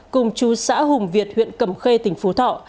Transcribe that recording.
cùng chú xã hùng việt huyện cầm khê tỉnh phú thọ